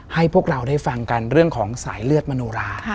ให้พวกเราได้ฟังกันเรื่องของสายเลือดมโนรา